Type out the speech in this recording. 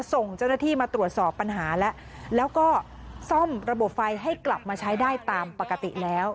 ส่งเจ้าหน้าที่มาตรวจสอบปัญหาแล้วแล้วก็ซ่อมระบบไฟให้กลับมาใช้ได้ตามปกติแล้ว